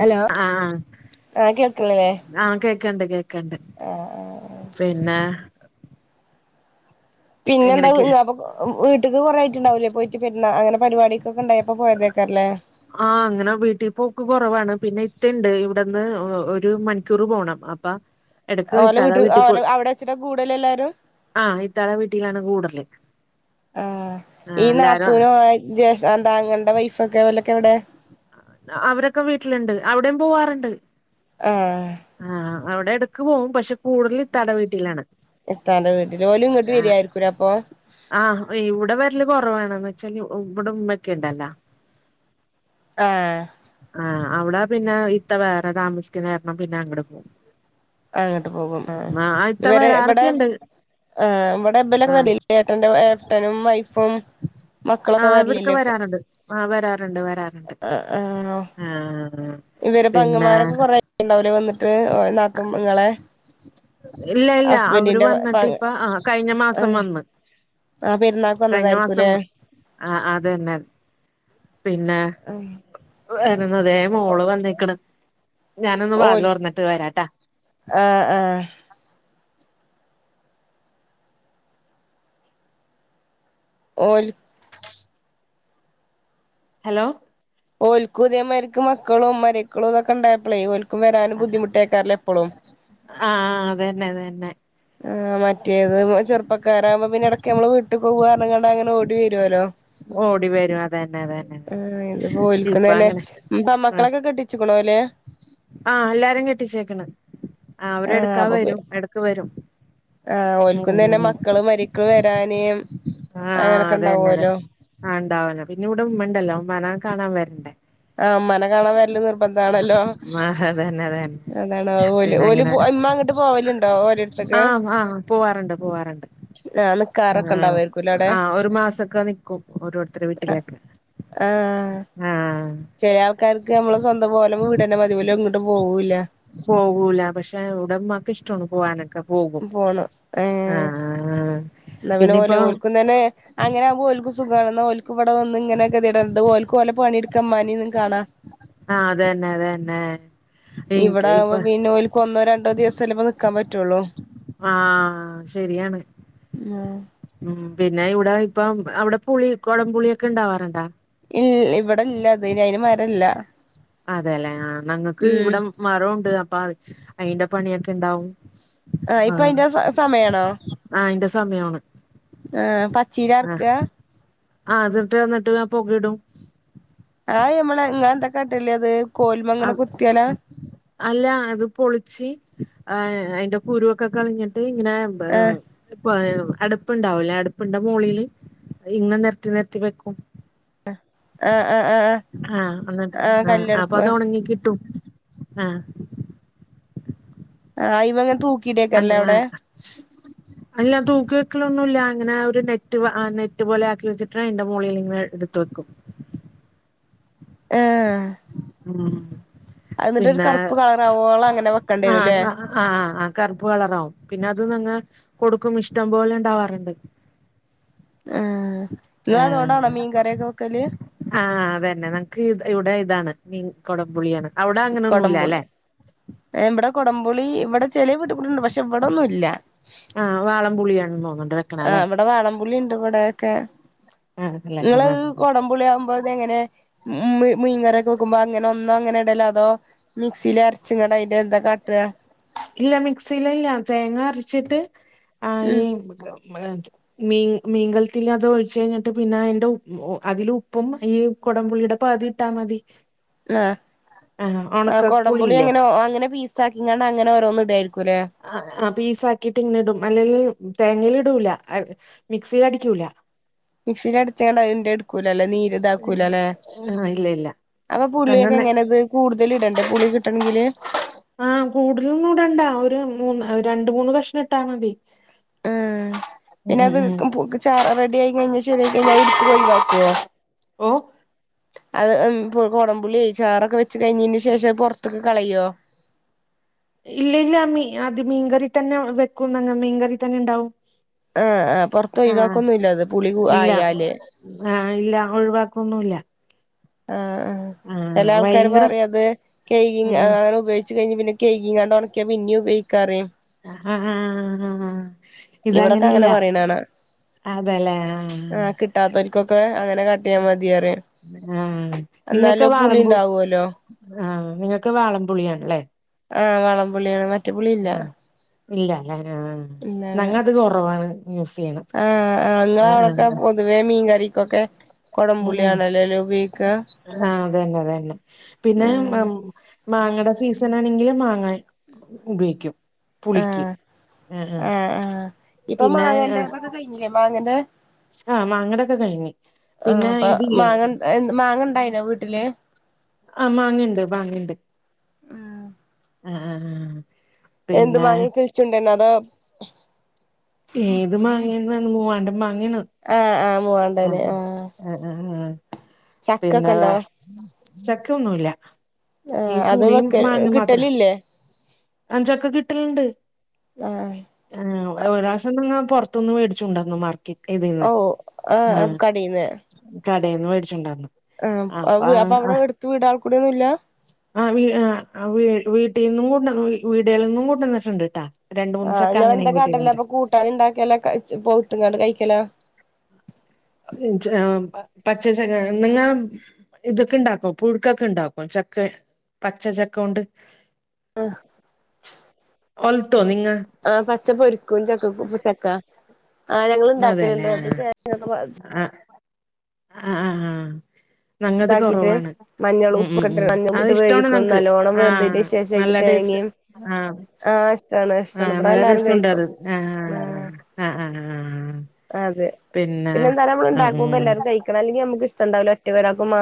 Hello ആഹ് ആഹ് കേൾക്കണില്ലേ ആഹ് കേക്കണ്ട് കേക്കണ്ട് ആഹ് പിന്നെ പിന്നെ എന്താ എങ്ങനെയൊക്കെ ഇങ്ങപ്പൊ വീട്ടക്ക് കുറേ ആയിട്ടുണ്ടാവില്ലേ പോയിട്ട് പെടുന്ന അങ്ങനെ പരിപാടി തോക്കെണ്ടായി അപ്പോ പോയതേക്കാറല്ലേ ആഹ് അങ്ങനെ വീട്ടി പോക്ക് കൊറവാണ്. പിന്നെ ഇത്തണ്ട് ഇവിടെന്ന് ഒരു മണിക്കൂർ പോണം. പ്പ ഓലെ വീട്ട് ഓല അവിടെ വെച്ചിട്ട കൂടല് എല്ലാരും ആഹ് ഇത്താടെ വീട്ടിലാണ് കൂടല് ആഹ് ഈ ആഹ് എല്ലാരും നാത്തൂനോ ജേഷ് താങ്ങൾന്റെ വൈഫൊക്കെ ഓലൊക്കെ എവിടെ അവരെക്കെ വീട്ട്ല്ണ്ട്. അവിടേം പോവാറുണ്ട്. ആഹ് ആഹ് അവിടെ എട്ക്ക് പോവും. പക്ഷെ കൂടുതല് ഇത്താടെ വീട്ടിലാണ് ഇത്താന്റെ വീട്ടില്. ഓല് ഇങ്ങട്ട് ആഹ് വരിയായിരിക്കൂര അപ്പം ആഹ് ഇവ്ടെ വെരല് കൊറവാണ്. ന്ന്ച്ചാല് ഇവടെ ഉമ്മ ക്കെ ണ്ടല്ലോ. ആഹ് ആഹ് അവട പിന്നെ ഇത്ത വേറെ താമസിക്ക്‌ണാര്ണ പിന്നെ അങ്ങട് പോം. അങ്ങട്ട് പോകും ആ ഇത്ത ഇവരെ ഇവടെ വരാറൊക്കെയുണ്ട് ആ ഇവടെ ബലൊക്കെ ആഹ് [unintelligible] ഏട്ടന്റെ ഏട്ടനും വൈഫും മക്കളൊക്കെ ആഹ് ഇവ്ട്ക്ക് വരലില്ലേ വരാറ്ണ്ട് ആ വരാറ്ണ്ട് വരാറ്ണ്ട്. ആഹ് ആഹ് ആഹ്. ഇവര് പിന്നെ പെങ്ങമാരൊക്കെ കൊറെ [unintelligible] വുല്ലേ വന്നിട്ട് ന്നാത്തു ഇങ്ങളെ? ഇല്ല ഇല്ല അവര് ഹസ്ബൻഡിന്റെ പ വന്നിട്ട് ഇപ്പ ആ കഴിഞ്ഞ മാസം ആഹ് വന്ന്. ആ പെരുന്നാക്ക് കഴിഞ്ഞ മാസം വന്നതായിരിക്കൂല്ലേ ആഹ് അതന്നെ. പിന്നെ വരുന്നതേ മോള് വന്നേക്ക്ണ്. ഞാനൊന്ന് ഓൽ വാതിലൊർന്ന ത്ത് വരാട്ടാ. ആഹ് ആഹ് ഓൽ ഹലോ ഓൽക്കും ഇതേമായ്ര്ക്ക് മക്കളും മരക്കളും തൊക്കെണ്ടായപ്പളേ ഓൽക്കും വെരാനും ബുദ്ധിമുട്ടായ്ക്കാരല്ലേ എപ്പളും. ആഹ് അതെന്നെ അതെന്നെ. ആഹ് മറ്റേത് ചെറുപ്പക്കാരാമ്പോ പിന്നെ എടക്ക് ഞമ്മള് വീട്ട്ക്കോവാർഞ്ഞ്‌ങ്ങാണ്ട് അങ്ങനെ ഓടി വരോല്ലോ. ഓടി വരും അതന്നെ അതന്നെ ആഹ് ഇത്പ്പൊ അതന്നെ ഓൽക്കും ഇപ്പ തന്നെ അങ്ങനെ ആഹ് പെമ്മക്കളൊക്കെ കെട്ടി ച്ച്ക്ക്‌ണോലെ? ആഹ് എല്ലാരേം കെട്ടിച്ചേക്കണ്. ആ അവരെ ആഹ് എട്ക്കാ അപ്പൊ പി വരും. എട്ക്ക് വെരും. ആഹ് ഓൽക്കും തന്നെ മക്കള് മരക്കള് വെരാന് ആഹ് ആഹ് അതന്നെ അതെ അങ്ങനൊക്കെണ്ടാവോല്ലോ. ആഹ് ണ്ടാവല്ലോ പിന്നെ ഇവിടെ ഉമ്മണ്ടല്ലോ ഉമ്മാനെ കാണാ വെര്ണ്ടേ? ആഹ് മ്മാനെ കാണാ വെര്ല് നിർബന്ധാണല്ലോ. ആഹ് അതന്നെ അതന്നെ അതാണ് ഓല് പിന്നെ ഓല് അങ്ങനെ മ്മ ങ്ങട്ട് ആഹ് ആഹ് പോവാറ്ണ്ട് പോവാറ്ണ്ട്. [unintelligible] ആഹ് ഉണ്ടാവായിരിക്കൂലെ അവിടെ ആഹ് ഒരു മാസൊക്കെ നിക്കും ഓരോരുത്തരെ വീട്ടിലെക്കെ. ആഹ് ആഹ് ചെല ആൾക്കാര്ക്ക് മ്മളെ സ്വന്തം ഓലെ വീടന്നെ മതി ഓല് എങ്ങട്ടും പോവൂല. പോകൂല പക്ഷെ ഇവിടമ്മാക്ക് ഇഷ്ടണ് പോകാനൊക്കെ. പോണം ഏഹ് ന്നാ പിന്നെ ഓലെ പിന്നിപ്പോ ഓൽക്കും തെന്നെ അങ്ങനമ്പോഓൽക്കു സുഖണ് ന്നാ അങ്ങനെയാമ്പം ഓൽക്കും സുഖാണ്. ന്നാ ഓൽക്കും ഇവടെ വന്ന് ഇങ്ങനെ [unintelligible] ഓൽക്ക് ഓലെ പണിട്ക്ക മ്മാനി ഒന്ന് കാണാ. ആഹ് അതെന്നെ അതെന്നെ. ഇവടെ ആമ്പ പിന്നെ ഓൽക്ക് ഒന്നോ രണ്ടോ ദിവസല്ലെ പ്പ നിക്കാ പറ്റുള്ളൂ. ആഹ് ശെരിയാണ്. [unintelligible] ഉം പിന്നെ ഇവിടെ ഇപ്പം അവടെ പുളി കൊടംപുളിക്കെണ്ടാവാറ്ണ്ടാ? ഇൽ ഇവിടെ ല്ലത് അയിനെ മരല്ല ഉം. മരുണ്ട് അപ്പ ച് അയിന്റെ പണിക്കെ ണ്ടാവും. ആഹ ഇപ്പൊ അയിന്റെ സ സമയണോ? ആഹ് അയ്ന്റെ സമയണ്. ആഹ് പച്ചീരർക്കാ? ആഹ് അത്ട്ട് ന്ന്ട്ട് പൊകെ ടും. ആഹ് ഞമ്മളെ ഇങ്ങാ എന്തക്കാട്ടല് അത് കോല്മ്മ ങ്ങനെ അത് കുത്യലാ? അല്ല അത് പൊളിച്ച് ആ അയിന്റെ കുരുക്കെ കളിഞ്ഞിട്ട് ഇങ്ങനെ ആ ബെഹ് ഇപ്പ അടപ്പ്ണ്ടാവു ലെ അട്പ്പ്ണ്ടേ മോളീല് ഇങ്ങ നെർത്തി നെർത്തി വെക്കും. ആ ആ ആ ആഹ് അങ്ങൻ ത ആ ആഹ് അപ്പൊ കല്ലെടുപ്പ് അത് ഒണങ്ങി കിട്ടും ആഹ്. ആഹ് [unintelligible] തൂ [unintelligible] അല്ലാ തൂക്കി വെക്കലൊന്നും ഇല്ല അങ്ങനെ ഒരു നെറ്റ് നെറ്റ് പോലെ ആക്കി വെച്ചിട്ട എന്റെ മോളയിൽ ഇങ്ങനെ എടുത്ത വെക്കും. എഹ് ആഹ അന്നിട്ട് ഒരു കറുപ്പ് കളറാകുവോളം അങ്ങനെ വെക്കേണ്ടിരും ആഹ് ല്ലേ? ആഹ് ആഹ് കറുപ്പ് വളറാവും പിന്നെ അത് നിങ്ങ് കൊടുക്കും ഇഷ്ടം പോലെ ഇണ്ടാവാറുണ്ട്. ആഹ് നിങ്ങള അതുണ്ടാണോ മീൻ കറയൊക്കെ വെക്കല്? ആഹ അതന്നെ നമക്ക്ത് ഇവിടെ ഇതാണ് നീ കൊടംപുളിയാണ് അവിടെ അങ്ങനെൊന്നുല്ലല്ലെ? കൊടംപുളി ഇവിടെ കൊടംപുളി ഇവിടെ ചെല വീട്ടിക്കുടെണ്ട് പക്ഷെ ഇവിടെൊന്നുല്ല. ആഹ് വാളം പുളിയണ തോന്നുണ്ട് വെക്കണല്ലേ. പുളിണ്ട് ഇവിടെൊക്കെ ആഹ് അല്ലെ ആഹ് നിങ്ങ കൊടംപുളി ആവുമ്പോ അങ്ങനെ മ മീൻകറൊക്കെ വെക്കുമ്പോ അങ്ങനെ ഒന്നും അങ്ങനെ ഇടലോ അതോ മിക്സില് അരച്ചിങ്ങണ്ട് അതിന്റെ എന്താ കാട്ട ഇല്ല മിക്സിലല്ല തേങ്ങ അരച്ചിട്ട് ആഹ് ഉം ഈ മീ മീങ്കലത്തിൽ അത് ഒഴിച്ചു കഴിഞ്ഞിട്ട് പിന്നെ അതിന്റെ ഉ അതില് ഉപ്പും ഈ കൊടംമ്പുള്ളിടെ പ്പതി ഇട്ടാ മതി. ആഹ് ആഹ് ഒണക്ക കൊടംപുളി പുളിയില്ലേ അങ്ങനെ അങ്ങനെ പീസാക്കിങ്ങണ്ട് അങ്ങനെ ഓരോന്നും ഇടായിരിക്കുംല്ലേ? ആഹ് ആഹ് പീസാക്കിയിട്ട് ഇങ്ങനെ ഇടും അല്ലെങ്കിൽ തേങ്ങൽ ഇടൂല മിക്സില് അടിക്കൂല. മിക്സിലടച്ച്ങ്ങാണ്ട് അതിന്റെ എടുക്കൂല അല്ലെ നീര് ഇതാക്കൂല അല്ലെ. ആഹ് ഇല്ല ഇല്ല അപ്പൊ പുുള്ളിയൊക്കെ അങ്ങനെ എങ്ങനെത് കൂടുതല് ഇടണ്ടേ പുളി കിട്ടണെങ്കില്. ആഹ് കൂടുതലന്നുടണ്ടാ അഹ് ഒരു മൂന്ന് രണ്ട് മൂന്ന് കഷ്ണം ഇട്ടാ മതി. ഉം ഉം ഉം പിന്നെത് ഉം മ് പു ചാറ് റെഡി ആയി കഴിഞ്ഞ ശരിയായി കഴിഞ്ഞാ എടുത്ത് ഒഴിവാക്കോ? [unintelligible] അത് മ് കൊടംപുള്ളി ചാറൊക്കെ വെച്ച് കഴിഞ്ഞന് ശേഷം പുൊറത്തൊക്ക് കളയോ? ഇല്ലല്ല മീ അത് മീൻകറി തന്നെ വെക്കും ങ്ങ മീൻകറി തന്നെ ണ്ടാവും. ആഹ് ആഹ് പുറത്ത ഒഴിവാക്കൊന്നുംല്ലത് പുളി ഇല്ല ആയാല് ആഹ് ഇല്ല ഒഴിവാക്കൊന്നുംല്ല. ആഹ് ആഹ് ചില ആൾക്കാര് ഭയങ്കര പറയും അത് കഴ ഉം അങ്ങനെ ഉപയോഗിച്ചച്ച് കഴിഞ്ഞഞ് പിന്നെ കേകിങ്ങോണക്ക ഇന്ന ഉപയോഗിക്കാറി. ആഹ് ആഹ് [unintelligible] ഇവിടൊക്കെ ഇതങ്ങനല്ല അങ്ങനെ പറയ്ണ കാണാ അതല്ലേ ആഹ് കിട്ടാത്തോര്ക്കൊക്കെ അങ്ങനെ കാട്ടിയാ മതി പറയും ആഹ് നിങ്ങൊക്കെ എന്നാലും പുളി വാളമ്പു ഇണ്ടാവോല്ലോ ആഹ് നിങ്ങക്ക് വാളംപുളിയാണല്ലേ? ആഹ് വാളംപുളീണ്. ആഹ് ഇല്ലാലേ ആഹ് ഇല്ലല്ല ഞങ്ങത് കൊറവാണ് യൂസ്യ്യ്ണ്. ആഹ് ആഹ് ങ്ങള അവടെക്കെ പൊതുവേ മീൻ കറി കൊക്കെ ഉം ഉം കൊടംപുളിയാണല്ലോലേ ഉപയൊയിക്കാ. ആഹ് അതന്നെ അതന്നെ പിന്നെ മ ആഹ് മാങ്ങടെ സീസണ് ആണെങ്കില് മാങ്ങാ ഉപയോയ്ക്കും. ആഹ് ആ ആ ഇപ്പൊ പിന്നെ മാങ്ങന്റെ ഇതൊക്കെ കഴിഞ്ഞില്ലേ മാങ്ങന്റെ ആഹ് മാങ്ങടൊക്കെ കഴിഞ് ആഹ് പിന്നെ അപ്പൊ ഇതില്ലെ മാങ്ങ മാങ്ങ ഉണ്ടായിനോ വീട്ടില് ആഹ് മാങ്ങണ്ട് മാങ്ങണ്ട് ആഹ് ആ ആഹ്. എന്ത് പിന്നെ മങ്ങേ കിളിചുണ്ടനോ അതോ ഏത് മാങ്ങിയുന്നാണ് മൂവാണ്ട മാങ്ങിയേണ്. ആഹ് ആഹ് മൂവാ ആ അ അ ആ ചക്കൊക്കെ പിന്നെ വെ ഉണ്ടോ ചേക്കൊന്നുല്ല. ഈ ആഹ് അത് പുളിയും വെക്ക മാങ്ങി മാത്ര കിട്ടലില്ലേ അഞ്ചൊക്കേ കിട്ടല്ണ്ട്. ആഹ്. ആഹ് ഒരാവശ്യം ങ്ങ പൊറത്ത്ന്ന് മേടിച്ചുണ്ടന്നു മാർക്കറ്റ് ഇതീന്ന്. ഓ ആഹ് ആം കടീന്ന്. കടേന്ന് മേടിച്ചുണ്ടാർന്ന്. ആഹ് അപ്പൊ അപ്പൊ അവടെ എടുത്ത് വ്ടാൾക്കൂടെന്നുല്ലാ? ആഹ് വീ ആ ആ വീ വീട്ടീന്നും കൊണ്ടന്നു വീട്ൾന്നും കൊണ്ടന്ന്ണ്ട്ട്ടാ. രണ്ടു മൂന്നീസൊക്കെ അങ്ങനിം കിട്ടീട്ടുണ്ട്. ട്ടറിണ്ടാകലാ ക ച് പൗത്ങ്ങാണ്ട് കഴിക്കലാ? പച്ച ച്ചക്ക നിങ്ങ ഇതൊക്കെ ണ്ടാക്കും പുഴുക്കൊക്കെ ഇണ്ടാക്കും ചക്ക പച്ച ചക്കൊണ്ട്? ആഹ്. ഒൽതൊ നിങ്ങാ? ആഹ് പച്ച പൊരിക്കും ചക്കക്കു ചക്ക ആഹ് ഞങ്ങള് ണ്ടാക്കല്ണ്ട് അത് തേങ്ങ ഒക്കെ വ ആഹ് ആ ആ ആഹ്. ഞങ്ങത് ഇതാക്കിട്ട് കൊറവാണ് മഞ്ഞളും ഉം ഉം ഉപ്പൊക്കെ ഇട്ട് ഉം മഞ്ഞളും അത് ഇട്ട് ഇഷ്ട്ടാണ് വേവിക്കും ഞങ്ങക്ക് നല്ലോണം വെന്തതിന് ആഹ് ശേഷം അയ്ക്ക് നല്ല ടേസ്റ്റ് തേങ്ങയും ആഹ് ആഹ് ഇഷ്ടാണ് ഇഷ്ടാണ് ആഹ് ഇവിടെ നല്ല എല്ലാരും രസണ്ടു കഴിക്കും അത് ആഹ് ആ ആ ആ ആ അതെ, പിന്നെ എന്താലാ നമ്മള് ആ ണ്ടാക്കുമ്പോ ഉം എല്ലാരും കയിക്കണം അല്ലെങ്കി നമ്മുക്ക് ഇഷ്ടണ്ടാവൂലാ ഒറ്റക്ക ഒരാക്ക് മാ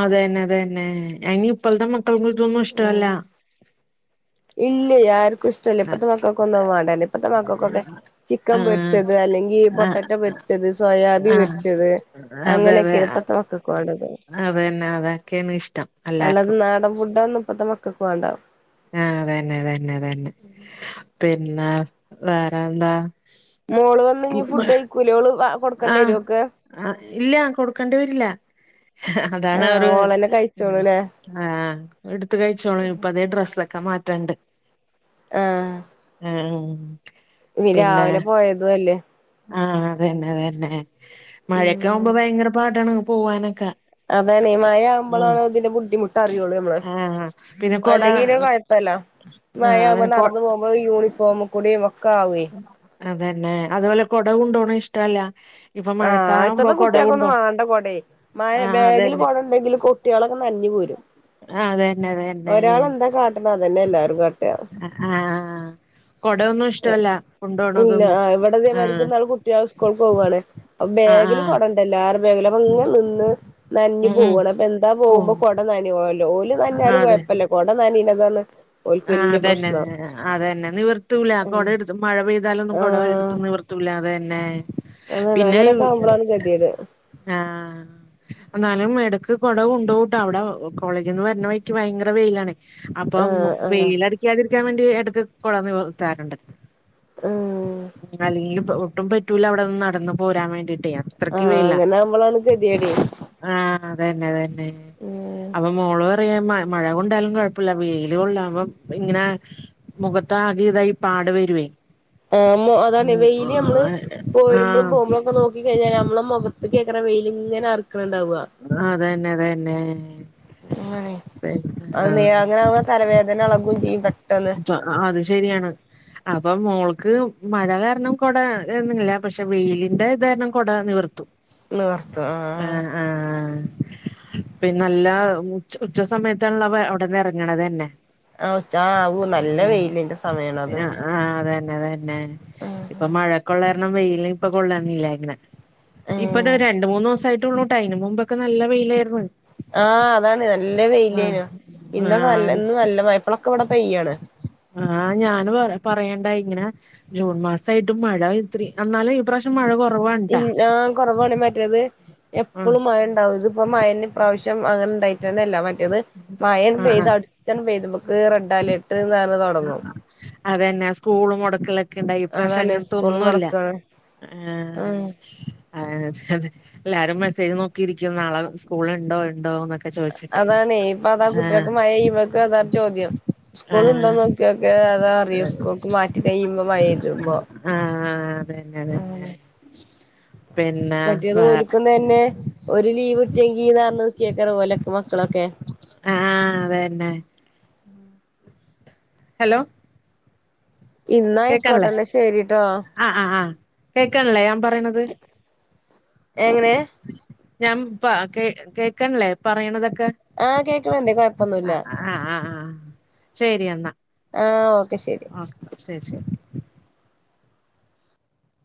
അതെന്നെ അതെന്നെ അനി ഇപ്പോഴ്ത്തെ മക്കൾക്ക് ഇതൊന്നും ഇഷ്ടല്ലാ. ഇല്ല്യേ ആർക്കുഷ് ആ ഇപ്പത്തെ മക്കൾക്ക ഒന്നും വാണ്ടാല്ലാ ഇപ്പത്തെ മക്കക്കൊക്കേ ചിക്കം ആ പൊര്ച്ചത് അല്ലെങ്കി ആ പൊട്ടാറ്റൊ പൊര് ച്ചത് സോയാബി ആ പൊര്ച്ചത് അതെ അതെ അങ്ങനെയൊക്കേണ് ഇപ്പത്തമക്കക്ക് വാണ്ടത്. അതന്നെ അതൊക്കെയാണ് ഇഷ്ടം അല്ലാതേ എല്ലാർക്കും നാടം ഫുഡ്‌ ഒന്നും പ്പത്തെ മക്കക്ക് വാണ്ടാ. ആഹ് അതന്നെ അതന്നെ അതന്നെ പിന്നെ വേറെ എന്താ? മോള് വന്ന് ഇഞ്ഞി ഫുഡ് അയ്ക്കൂലേ ഓള് കൊടുക്കേണ്ടി വരോ ആഹ് ഓക്ക് ആ ഇല്ലാ കൊടുക്കേണ്ടി വരില്ലാ. അതാണ് ആഹ് അവര് ഓളന്നെ കഴിച്ചോളൂല്ലേ ആഹ് എടുത്ത് കഴിച്ചോളൂ ഇപ്പ അതേ ഡ്രെസ്സൊക്കെ മാറ്റാണ്ട്. ആഹ്. ആഹ് ഇവര് രാവിലെ പോയതും അല്ലേ ആഹ് അത് തന്നെ അത് തന്നെ മഴയൊക്കെ ആവുമ്പോ ഉം ഭയങ്കര പാടാണ് പോവാനൊക്കെ അതയല്ലേ ഈ മഴ ഉം ആകുമ്പോളാണ് ഇതിന്റെ ബുദ്ധിമുട്ട് അറിയൂള്ളൂ നമ്മള് ആഹ് പിന്നെ കൊട അല്ലെങ്കി പിന്നെ കുഴപ്പവില്ല മഴ ആഹ് ആവുമ്പോ അങ്ങനെ കൊ നടന്ന് പോകു മ്പോ യൂണിഫോമിക്കൂടെയും ഒക്കെ ആവുവേ അതന്നെ അതുപോലെ കൊട കൊണ്ടോണത് ഇഷ്ടവല്ല ആഹ് ഇപ്പഴത്തെ കുട്ടികൾക്കൊന്നും വേണ്ട കൊടയേ മഴ ആഹ് ബാഗില് അതന്നെ കുട ഉണ്ടെങ്കിലും കു കുട്ടികളൊക്കെ നനഞ്ഞ് പോരും ആ അതന്നെ അതന്നെ ഒരാളെന്താ കാട്ടണെ അത് തന്നെ എല്ലാരും കാട്ടുക ആ ആ കൊടൊന്നും ഇഷ്ടല്ല ഇല്ല കൊണ്ടോണതൊന്നും ആ ഇവിടിതേ ആ മരിക്കുന്നാള് കുട്ടികള് സ്കൂളിൽ പോവാണ്. അപ്പോ ആ ആ ബാഗില് കൊട ഉണ്ടല്ലോ എല്ലാരുടെയും ബാഗില് അപ്പൊ അങ്ങനെ നിന്ന് നഞ്ഞ് ഉം ഉം പോവാണ് അപ്പൊ എന്താ പോ പോകുമ്പോ കുട നനഞ്ഞ് പോവല്ലോ ഓല് ആ നനഞ്ഞാലും കുഴപ്പവില്ല കൊട നനയുന്നെന്ന് പറഞ്ഞാൽ ആഹ് അതന്നെ അതന്നെ നിവർത്തൂല കുട എടു മഴ പെയ്താലൊന്നും കുട ആഹ് എടുത്തു നിവർ ത്തൂല അത് തന്നെ അതാണ് പിന്നെ അങ്ങനൊക്കെ ആവുമ്പളാണ് ഗതികേട് ആഹ് എന്നാലും എടക്ക് കൊട കൊണ്ട് പോവൂട്ടോ അവിടെ കോളേജീന്ന് വരണ വഴിക്ക് ഭയങ്കര വെയിലാണ് അപ്പം ആഹ് ആഹ് വെയിലടിക്കാതിരിക്കാൻ വേണ്ടി എടക്ക് കൊട നിവർത്താറുണ്ട് ഉം ഉം അല്ലെങ്കിൽ ഒട്ടും പറ്റൂല അവിടെ നിന്ന് നടന്നു പോരാൻ വേണ്ടീട്ടെ ആഹ് അങ്ങനെ ആകുമ്പോളാണ് ഗതികേടേ ആഹ അത് തന്നെ അത് തന്നെ ഉം അപ്പൊ മോള് പ പറയാ മഴ കൊണ്ടാലും കുഴപ്പല്ല വെയില് കൊള്ളാ അപ്പം ഇങ്ങനെ മുഖത്ത്‌ ആകെ ഇതായി പാട് വരുവേ. ആഹ് ഉം അതാണ് വെയിലി നമ്മള് പോരുമ്പോഴും ആഹ് പോകുമ്പോഴും ഒക്കെ നോ ക്കി കഴിഞ്ഞാ നമ്മളെ മുഖത്ത് [unintelligible] വെയില് ഇങ്ങനെ [unintelligible] ആഹ് അത് തന്നെ അത് തന്നെ അങ്ങനെ അത് നേ അങ്ങനെ ആകുപോ തലവേദന എളകുവേയും ചെയ്യും പെട്ടെന്ന് ആഹ് ആഹ് അത് ശരിയാണ് അപ്പൊ മോൾക്ക് മഴ കാരണം കൊട എന്നിങ്ങനില്ല പക്ഷെ വെയിലിന്റെ ഇത് കാരണം കൊട നിവർത്തും നിവർത്തും ആഹ് ആഹ് പിന്ന നല്ല ഉച്ച ഉച്ച സമയത്താണല്ലോ അവിടന്ന് ഇറങ്ങണത് തന്നെ ആഹ് ഉച്ച ആവൂ നല്ല ഉം വെയിലിന്റെ സമയാണത് ആഹ് അതന്നെ അതന്നെ ഇപ്പൊ മഴയൊക്കെ ഒള്ള കാരണം വെയില് ഇപ്പൊ കൊള്ളണില്ല അങ്ങനെ ഇപ്പ ഇതാ ഏഹ് രണ്ട് മൂന്ന് ദിവസായിട്ട് ഉള്ളൂട്ടാ അതിന് മുമ്പൊക്കെ നല്ല വെയിലാരുന്നു ആഹ് അതാണ് നല്ല വെയിലേനു ഇന്നൊക്കെ നല്ല ആഹ് ഇന്ന് നല്ല മഴ ഇപ്പളൊക്കെ ഇവിടെ പെയ്യാണ് ആഹ് ഞാന് പറ പറയണ്ട ഇങ്ങന ജൂൺ മാസായിട്ടും മഴ ഇത്രേ അന്നാലും ഈ പ്രാവ ട്ട് മഴ കുറവാണ് ട്ടാ ഇല്ല ആഹ് കൊറവാണ് മറ്റേത് ആഹ് എപ്പോളും മഴ ഉണ്ടാകും ഇതിപ്പോ മഴ തന്നെ പ്രാവശ്യം അങ്ങനെ ഉണ്ടായിട്ട് തന്നെ ഇല്ല മറ്റേത് മയ അങ്ങട്ട് ആഹ് ആഹ് പെയ്താ അടു പ്പത്തേനും [unintelligible] റെഡ് അലേർട്ട് എന്ന് പറഞ്ഞ് തുടങ്ങും അതന്നെ സ്കൂളു മൊടക്കല ക്കെ ഉണ്ടായി ഈ പ്രാവശ്യം അതാണ് അങ്ങനത്തെ സ്കൂളും ഒന്നും ഇല്ല മുടക്കാണ് ആഹ് ആഹ് അതെ എല്ലാരും മെസ്സേജ് നോക്കിയിരിക്കും നാളെ സ്കൂളുണ്ടോ ഉണ്ടോ എന്നൊക്കെ ചോദിച്ചിട്ട് അതാണേ ഇപ്പൊ അതാ ആഹ് കുട്ടികൾക്ക് മയ പെയ്യുമ്പോഴേക്കെ അതാണ് ചോദ്യം സ്കൂൾ ആഹ് ഉണ്ടോന്ന് നോക്കിയോക്കെ അതാ അറിയോ സ്കൂൾക്ക് മാറ്റി കഴിയുമ്പോ മഴരുമ്പോ ആഹ് അതന്നെ അതന്നെ പിന്നെ മറ്റേത് വേറെ ഓലിക്കനന്നെ ഒരു ലീവ് കട്ടിയെങ്കിന്ന പറഞ് നക്കിയക്കറ് ഓലൊക്കെ മക്കളൊക്കെ ആഹ് അതന്നെ ഹലോ ഇന്നായിക്കോട്ടെ കേക്കാണില്ലേ ന്ന ശരിട്ടോ ആഹ് ആഹ് ആഹ് കേൾക്കണില്ലേ ഞാൻ പറയണത് ഏങ്ങനെ ഞാൻ പ കേ കേക്കണ്ല്ലേ പറയണതൊക്കെ ആഹ് കേക്കണ്ണ്ട് ആഹ് കൊഴപ്പൊന്നുല്ല ആഹ് ആഹ് ആഹ് ശരി എന്നാ ആഹ് ഓക്കെ ശരി ഓഹ് ശരി ശരി